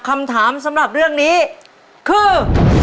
คำถามสำหรับเรื่องนี้คือ